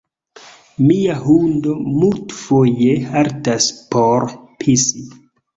Mia hundo multfoje haltas por pisi